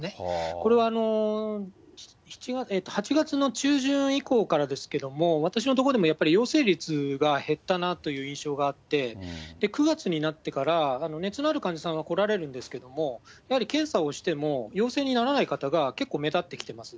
これは、８月の中旬以降からですけど、私の所でも陽性率が減ったなという印象があって、９月になってから、熱のある患者さんは来られるんですけれども、やはり検査をしても、陽性にならない方が結構目立ってきてます。